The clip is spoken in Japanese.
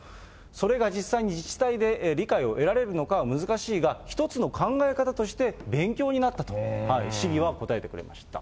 それが実際に自治体で理解を得られるのかは難しいが、一つの考え方として勉強になったと、市議は答えてくれました。